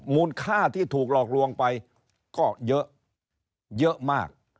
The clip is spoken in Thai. มูลค่าที่ถูกหลอกลวงไปก็เยอะเยอะมาก